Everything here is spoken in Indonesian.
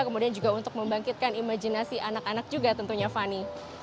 kemudian juga untuk membangkitkan imajinasi anak anak juga tentunya fani